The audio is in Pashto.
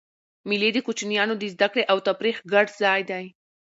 مېلې د کوچنيانو د زدهکړي او تفریح ګډ ځای دئ.